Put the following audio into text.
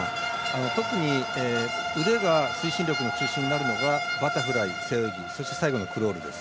特に腕が推進力の中心になるのがバタフライ、背泳ぎ最後にクロールです。